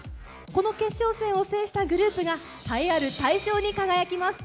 この決勝戦を制したグループが栄えある大賞に輝きます。